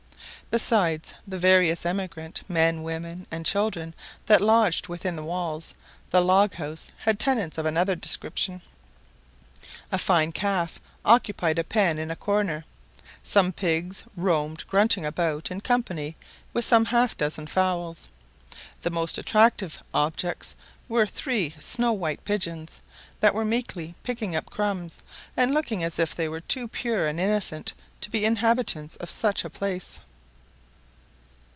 Besides the various emigrants, men, women, and children, that lodged within the walls, the log house had tenants of another description. A fine calf occupied a pen in a corner; some pigs roamed grunting about in company with some half dozen fowls. The most attractive objects were three snow white pigeons, that were meekly picking up crumbs, and looking as if they were too pure and innocent to be inhabitants of such a place.